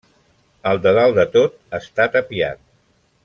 El de dalt de tot està tapiat.